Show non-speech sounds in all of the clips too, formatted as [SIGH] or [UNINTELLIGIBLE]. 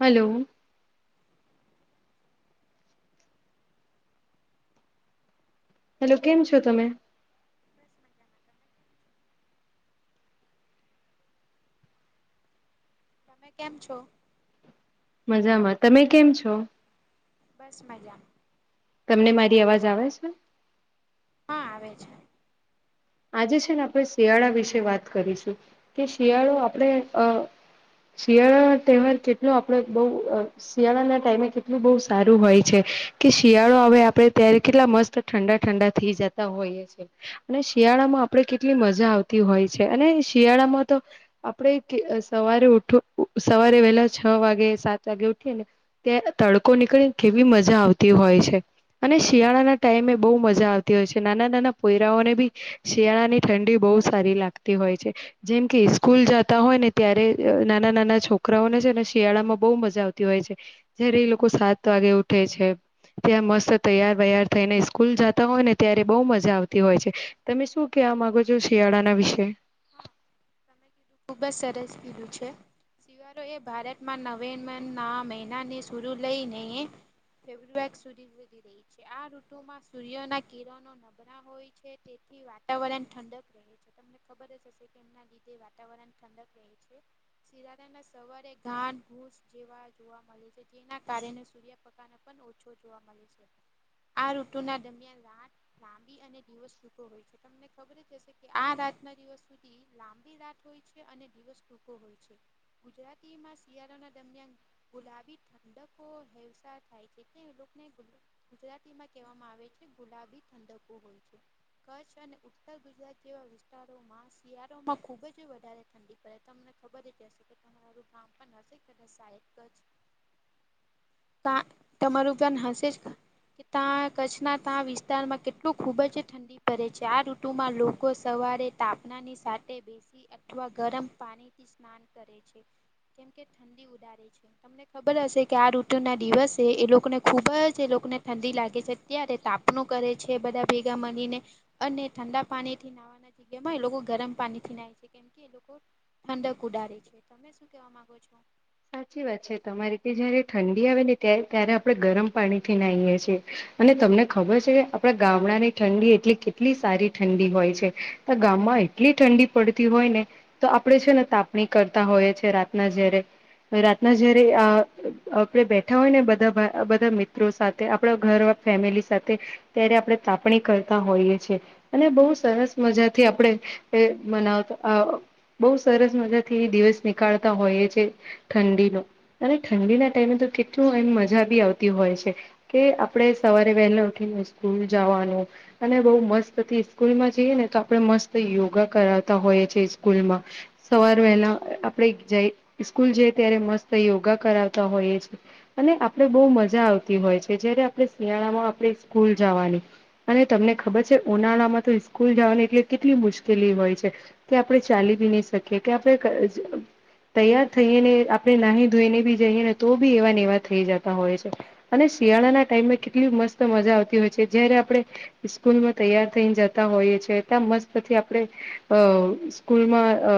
Hello hello કેમ છો તમે? બસ તમે કેમ છો? મજામાં તમે કેમ છો? બસ મજા તમને મારી અવાજ આવે છે? હા આવે છે. આજે છે ને આપણે શિયાળા વિશે વાત કરીશું કે શિયાળો આપણે અ શિયાળા તહેવાર કેટલો આપડો બઉ શિયાળાના ટાઈમે કેટલું બહુ સારું હોય છે કે શિયાળો હવે આપડે ત્યારે કેટલા મસ્ત ઠંડા ઠંડા થઈ જતા હોઈએ છે અને શિયાળામાં આપણે કેટલી મજા આવતી હોય છે અને શિયાળામાં તો આપણે સવારે ઊઠું સવારે વેહેલા છ વાગે સાત વાગે ઉઠીએ ને કે તડકો નીકળીને કેવી મજા આવતી હોય છે. અને શિયાળાના ટાઈમે બહુ મજા આવતી હોય છે નાના નાના પોયરાઓને બી શિયાળા ની ઠંડી બહુ સારી લાગતી હોય છે. જેમ કે સ્કૂલ જતા હોય ને ત્યારે નાના નાના છોકરાઓને છે ને શિયાળા માં બહુ મજા આવતી હોય છે. જયારે એ લોકો સાત વાગે ઉઠે છે. ત્યાં મસ્ત તૈયાર વૈયાર થઈને સ્કૂલ જતા હોય ને ત્યારે બઉ મજા આવતી હોય છે. તમે શું કેવા માંગો છો શિયાળાના વિશે હા તમે ખુબ જ સરસ કીધું છે. શિવારોએ ભારતમાં નવેમ્બના મહિનાને શરૂ લઈને ફેબ્રુઆરી સુધી વધી રહી છે આ ઋતુમાં સૂર્ય ના કિરણો [UNINTELLIGIBLE] હોય છે તેથી વાતાવરણ ઠંડક રહે છે તમને ખબર જ હશે કે એમના લીધે વાતાવરણ ઠંડક શિયારા ના સવારે ગાન ઘૂસ જેવા જોવા મળે છે જેના કારણે સૂર્યપકાને પણ ઓછો જોવા મળે છે આ ઋતુ ના દરમિયાન રાત લાંબી અને દિવસ ટૂંકો હોય છે તમને ખબર જ હશે કે આ રાતના દિવસ સુધી લાંબી રાત હોય છે અને દિવસ ટૂકો હોય છે. ગુજરાતીમાં શિયાળાના દરમિયાન ગુલાબી ઠંડકો હેસા થાય છે કે લોકોને ગુજરાતીમાં કહેવામાં આવે છે ગુલાબી ઠંદકો હોય છે. કચ્છ અને ઉત્તર ગુજરાત જેવા વિસ્તારો માં શિયાળોમાં ખૂબ જ વધારે ઠંડી પડે તમને ખબર જ રહેશે કે તમારું ગામ પણ નથી કર સાહેબ જ કા તમારું ધ્યાન હશે જ કે તા કચ્છના તા વિસ્તારમાં કે ઋુ ખૂબ જ ઠંડી પડે છે, આ ઋતુમાં લોકો સવારે તાપનાની સાથે બેસી અથવા ગરમ પાણીથી સ્નાન કરે છે, કેમ કે ઠંડી ઉડારે છે, તમને ખબર હશે કે આ ઋતુના દિવસે એ લોકોને ખુબ જ એ લોકોને ઠંડી લાગે છે, અત્યારે તાપ કરે છે, બધા ભેગા મળીને અને ઠંડા પાણીથી નાહવાના એમાંય લોકો ગરમ પાણી થી નાાય છે, કેમ કે ઠંડક ઉડારી છે, તમે શું કેવા માંગો છો સાચી વાત છે, તમારી જયારે ઠંડી આવે ને ત્યારે આપણે ગરમ પાણી થી નાહીએ છીએ, અને તમને ખબર છે, કે આપડા ગામડાની ઠંડી એટલી કેટલી સારી ઠંડી હોય છે. ગામમાં એટલી ઠંડી પડતી હોય ને, તો આપણે છે ને તાપણી કરતા હોઈએ છીએ, રાતના જારે રાતના જયારે આપે બેઠા હોય ને બધા બધા મિત્રો સાથે, તે આપણા ઘર ફેમિલી સાથે ત્યારે આપણે તાપણી કરતા હોઈએ છે, અને બહુ સરસ મજાથી આપણે એ મનાવતા બહુ સરસ મજા થી દિવસ નીકળતા હોઈ છે, ઠંડીનું અને ઠંડીના ટાઈમે તો કેટલું એમ મજા બી આવતી હોય છે, કે આપણે સવારે વહેલા ઉઠીને સ્કૂલ જવાનું, અને બઉ મસ્તથી સ્કૂલ માં જઈએ ને તો આપણે મસ્ત યોગા કરાવતા હોઈએ છીએ, સ્કૂલ માં સવાર વહેલા આપણે જઈ સ્કૂલ જઈ ત્યારે મસ્ત યોગા કરાવતા હોઈએ છે, અને આપણેે બહુ મજા આવતી હોય છે, જયારે આપણે શિયાળામાં આપણે સ્કૂલ જવાની અને તમને ખબર છે ઉનાળામાં તો સ્કૂલ જવાની એટલે કેટલી મુશ્કેલી હોય છે, કે આપણે ચાલી બી નહી શકીએ કે આપણે તૈયાર થઈએને આપણે નાહી ધોઈ ને બી જઈએ ને તો બી એવા ને એવા થઈ જતા હોય છે, અને શિયાળાના ટાઈમમાં કેટલી મસ્ત મજા આવતી હોય છે, જયારે આપણે સ્કૂલમાં તૈયાર થઈને જતા હોઈએ છે, એટલા મસ્તથી આપણે અ સ્કૂલમાં અ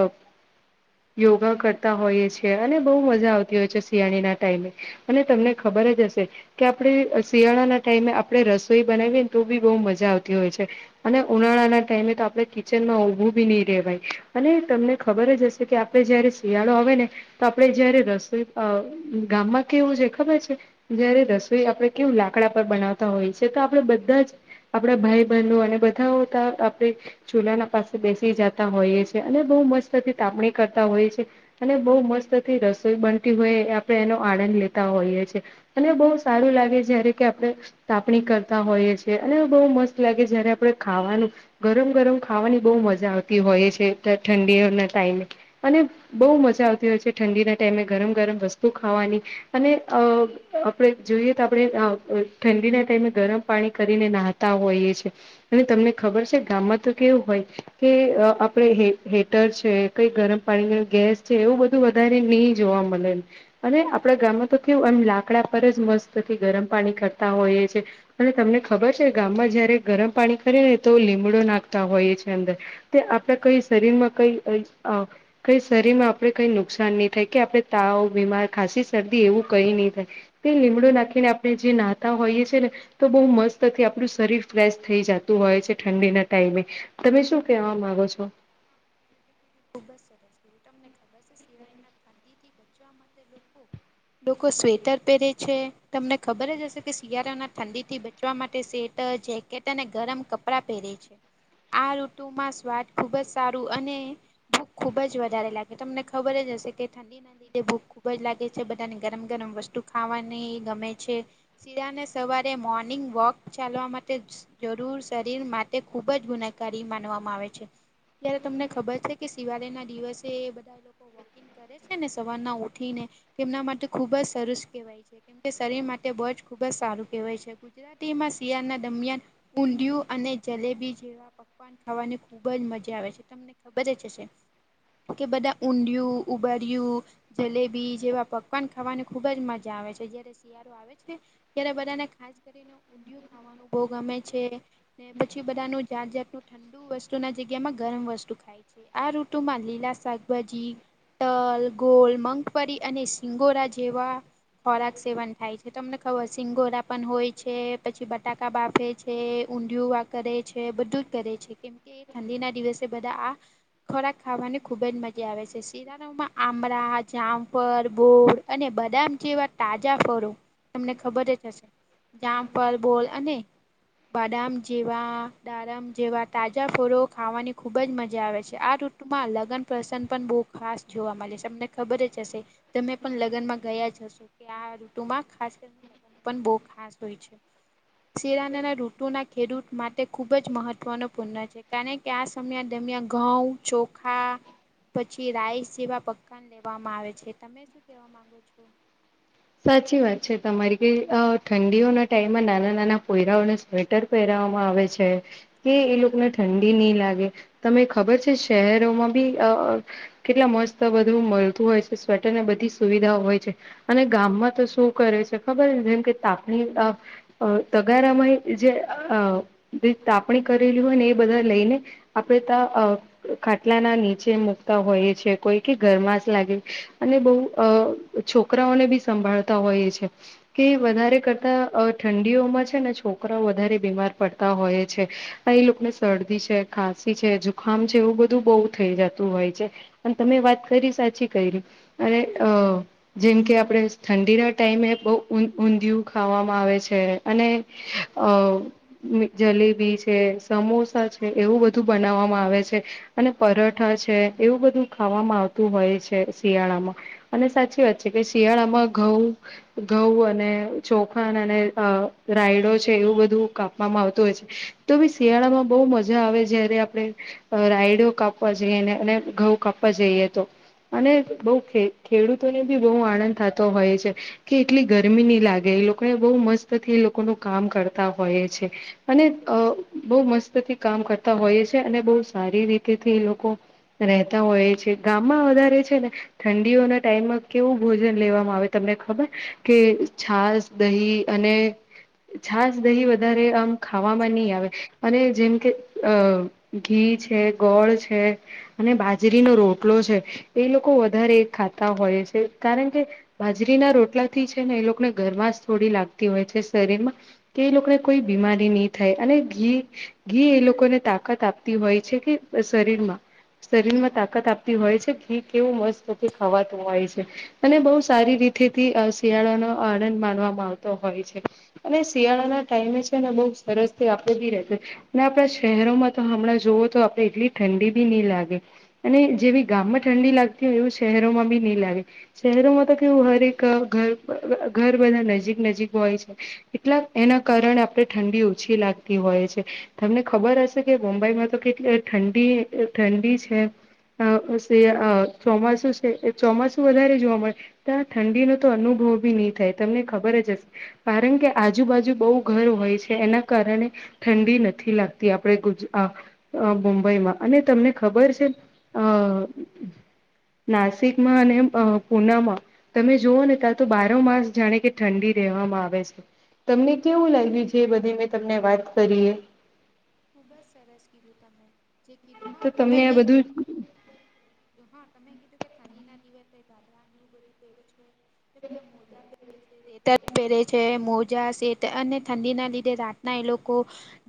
યોગા કરતા હોઈએ છે, અને બહુ મજા આવતી હોય છે, શિયાળ ના ટાઈમે અને તમને ખબર જ હશે કે આપણે શિયાળાના ટાઈમે આપડણે રસોઈ બનાવીએને તો બી બહુ મજા આવતી હોય છે, અને ઉનાળાના ટાઈમે તો આપણે કિચનમાં ઉભું બી નહી રેવાય અને તમને ખબર જ હશે કે, આપે જયારે શિયાળો આવે ને તો આપડે જયારે રસોઈ ગામમાં કેવું છે, ખબર છે જયારે રસોઈ આપણે કેવું લાકડા પર બનાવતા હોય છે, તો આપડે બધા જ આપણા ભાઈ બહેનો અને બધા ઓતા આપણે ચૂલા ના પાસે બેસી જાતા હોઈએ છે, અને બહુ મસ્તથી તાપણી કરતા હોઈએ છે, અને બહુ મસ્તથી રસોઈ બનતી હોય, આપણે એનો આનંદ લેતા હોઈએ છીએ અને બહુ સારું લાગે છે જ્યારે કે આપડે તાપણી કરતા હોઈએ છે, અને બહુ મસ્ત લાગે જયારે આપણે ખાવાનું ગરમ ગરમ ખાવાની બહુ મજા આવતી હોય છે, ઠંડીઓના ટાઈમે અને બહુ મજા આવતી હોય છે, ઠંડીના ટાઈમે ગરમ ગરમ વસ્તુ ખાવાની અને અ આપણે જોઈએ તો આપણે ઠંડીના ટાઈમે ગરમ પાણી કરીને નાહતા હોઈએ છે, અને તમને ખબર છે, ગામમાં તો કેવું હોય કે આપણે જે હેટર છે, કઈ ગરમ પાણી ન ગેસ છે, એવું બધું વધારે નહી જોવા મળે અને આપડા ગામમાં તો કેવું એમ લાકડા પર જ મસ્તથી ગરમ પાણી કરતા હોઈએ છે, અને તમને ખબર છે, ગામમાં જયારે ગરમ પાણી કરી ને તો લીમડો નાખતા હોઈ છે, અંદર તે આપણે કઈ શરીર માં કઈ કઈ શરીરમાં આપણે, કઈ નુકસાન નહી થાય, કે આપણે તાવ બીમાર ખાસી શરદી એવું કઈ નહી થાય તે લીમડું નાખીને આપણે જે નાહતા હોઈએ, છી ને તો બહુ મસ્તથી આપણું શરીર ફ્રેશ થઈ જતું હોય છે, ઠંડીના ટાઈમે તમે શું કેવા માંગો છો, તમે જે કીધું ખૂબ જ સરસ તમને ખબર છે શિયાળના ઠંડી થી બચવા માટે લોકો લોકો સ્વેટર પહેરે છે તમને ખબર જ હશે કે શિયાળાના ઠંડી થી ચવા માટે સેટર જેકેટ અને ગરમ કપડાં પહેરે છે આ ઋતુમાં સ્વાદ ખૂબ જ સારું અને ભૂખ ખુબ જ વધારે લાગે તમને ખબર જ હશે કે ઠંડી લીધે ભૂખ ખુબ જ લાગે છે બધાને ગરમ ગરમ વસ્તુ ખાવાની ગમે છે શીરાને સવારે મોર્નિંગ વોક ચાલવા માટે જરૂર શરીર માટે ખુબ જ ગુનાકારી માનવામાં આવે છે ત્યારે તમને ખબર છે કે શિવાલય ના દિવસે બધા એ લોકો કરે છે ને સવારના ઉઠીને તેમના માટે ખુબ જ સરસ કેહેવાય છે કેમ શરીર માટે બોજ ખુબજ સારું કેહેવાય છે ગુજરાતીમાં શિયાળના દરમિયાન ઊડિયું અને જલેબી જેવા પ પકવાન ખાવાની ખુબ જ મજા આવે છે તમને ખબર જ હશે કે બધા ઊંડિયું ઉબરય્યું જલેબી જેવા પકવાન ખાવાની ખુબ જ મજા આવે છે જયારે શળ આવે છે ત્યારે બધાને ખાસ કરીને ઊડિયું ખાવાનું ભો ગમે છે ને પછી બધા ન જાત જાાતનુંું ઠંડુ વસ્તુ ના જગ્યા માં ગરમ વસ્તુ ખાય આ ઋતુમાં લીલા શાકભાજી તલ ગોલ મગફળી અને સિંગોરા જેવા ખોરાક સેવન થાય છે તમને ખબર સિંગોરા પણ હોય છે પછી બટાકા બાફે છે ઊંધિયું વા કરે છે બધું જ કરે છે કેમકે ઠંડીના દિવસે બધા આ ખોરાક ખાવાની ખુબ જ મજા આવે છે શિરાારામાં આંબળા જામંફર બોર અને બદામ જેવા તાજા ફળો તમને ખબર જ હશે જામ પર બોલ અને બાદામ જેવા ડાડમ જેવા તાજા ફોળો ખાવાની ખુબ જ મજા આવે છે કે આ ઋતુમાં લગ્ન પ્રસન્ન પણ બહુ ખાસ જોવા મળે છે તમને ખબર જ હશે તમે પણ લગ્ન માં ગયા જ હશો કે આ ઋતુમાં ખાસ કરીને પણ બ ખાસ હોય છે શેરાના ના રઋટુ ના ખેડૂત માટે ખૂબ જ મહત્વનો પૂર્ણ છે કારણ કે આ સમય દરમિયાન ઘઉં ચોખા પછી રાઈસ જેવા પકવન લેવામાં આવે છે તમે શું કવા માંગુ છો સાચી વાત છે તમારી ક ઠંડીઓના ટાઈમમાં નાના નાના કોયરાઓને સ્વેટર પહેરાવામાં આવે છે કે એ લોકોને ઠંડી નહી લાગે તને ખબર છે શહેરોમાં બી કેટલા મસ્ત બધ મળતું હોય છે સ્વેટર ને બધી સુવિધા હોય છે અને ગામમાં તો શું કરે છે ખબર જેમ કે તાકણી અ તગારામાંય જે તાપણી કરેલી હોય ને એ બધા લઈને આપણે ત અ ખાટલા ના નીચે મુૂકતા હોઈ છે કોઈ કે ઘરમાં જ લાગે અને બહ અ છોકરાઓને બી સંભાળતા હોય છે કે વધારે કરતા ઠંડીઓમાં છે ને છોકરાઓ વધારે બીમાર પડતા હોય છે એ લોકોને શરદી છે ખાંસી છે જોુખામ છે એવું બધું બહુ થઈ જતું હોય છે અને તમે વાત કરી સાચી કરી અને અ જેમ કે આપડે ઠંડીના ટાઈમે બહ ઊંધિયું ખાવામાં આવે છે અને અ જલેબી છે સમોસા છે એવું બધું બનાવવામાં આવે છે અને પરઠા છે એવું બધું ખાવામાં આવતું હોય છે શિયાળામાં અને સાચી વાત છે કે શિયાળામાં ઘઉં ઘઉં અને ચોખાન અને રાયડો છે એવું બધું કાપવામાં આવતું હોય છે તો ભી શિયાળા માં બહુ મજા આવે જયારે આપડે રાયડઓ કાપવા જઈએ ને અને ઘઉ કાપવા જઈએ તો અને બઉ ખેડૂતોને બી બહુ આનંદ થતો હોય છે. કે એટલી ગરમી નની લાગે એ લોકો એ બહુ મસ્ત થી એ લોકોનું કામ કરતા હોય છે. અને અ બહુ મસ્ત થી કામ કરતા હોઈ છે, અને બહુ સારી રીતેથી એ લોકો રહેતા હોય છે, ગામમાં વધારે છે, ને ઠંડીઓના ટાઈમમાં કેવું ભોજન લેવાવામાં આવે તમને ખબર કે છાસ દહી અને છાસ દહી વધારે આમ ખાવામાં નહી આવે અને જેમ કે અ ઘી છે, ગોળ છે. અને બાજરીનો રોટલો છે, એ લોકો વધારે ખાતા હોય છે, કારણ કે બાજરીના રોટલાથી છે, ને એ લોકોને ગરમાશ થોડી લાગતી હોય છે, શરીરમાં કે એ લોકોને કોઈ બીમારી નહી થાય અને ઘી ઘી એ લોકોને તાકાત આપતી હોય છે, કે શરીરમાં શરીરમાં તાકાત આપતી હોય છે, ઘી કેવું મસ્ત કે ખાવાતું હોય છે, અને બઉ સારી રીતે થી શિયાળાનો આનંદ માનવામાં આવતો હોય છે. અને શિયાળાના ટાઈમે છે, ને બઉ સરસ થી આપે બી રશે ને આપણા શહેરોમાં તો હમણાં જોવ તો આપે એટલી ઠંડી બી નહી લાગે અને જેવી ગામમાં ઠંડી લાગતી હોય એવું શહેરોમાં બી નહી લાગે શહેરોમાં તો તેવું હરેક ઘર ઘર બધા નજીક નજીક હોય છે. એટલા એના કારણે આપણે ઠંડી ઓછી લાગતી હોય છે. તમને ખબર હશે કે મુંબઈમાં તો કેટલી ઠંડી ઠંડી છે. હ ચોમાસું છે, ચોમાસું વધારે જોવા મળે ત્યા ઠંડીનો તો અનુભવ બી નહી થાય તમને ખબર જ હશે. કારણ કે આજુબાજુ બહુ ઘર હોય છે, એના કારણે ઠંડી નથી લાગતી આપડે ગુજ અ મુંબઈમાં અને તમને ખબર છે, અ નાસિકમાં અને પુનામાં તમે જોઓ ને ક્યાાલ તો બાર માસ જાણે કે ઠંડી રહેેવામાં આવે છે. તમને કેવું લાગ્યું છે, એ બધી મેં તમને વાત કરીએ ખુબ જ સરસ કીધું તમે જે કીધું હા તો તમે તમને આ જે બધું હા તમે કીધું કે ઠંડીના દિવસે ગાબરાને એવું બધું તેરું જ છે. કેલા મોજા પહેરે છે રેટર પહેરે છે, મોજા સેટ અને ઠંડી ના લીધે રાતના એ લોકો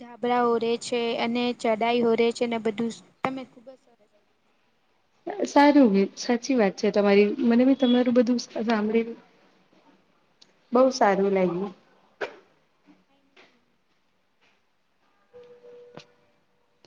ગાબરાઓ છે, અને ચઢાઈ હો રે છે, ને બધું તમે ખુબજ સર સારું સાચી વાત છે, તમારી મને ભી તમારું બધું સાંભળેલ બહુ સારું લાગ્યું. Thank you